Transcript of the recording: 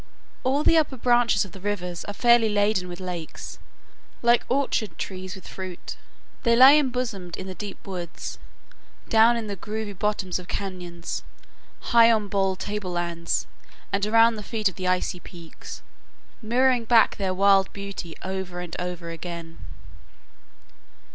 All the upper branches of the rivers are fairly laden with lakes, like orchard trees with fruit. They lie embosomed in the deep woods, down in the grovy bottoms of cañons, high on bald tablelands, and around the feet of the icy peaks, mirroring back their wild beauty over and over again.